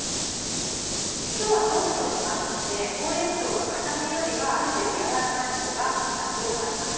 今日は豆腐と煮ますのでほうれん草が硬めよりはある程度軟らかいほうがよく合います。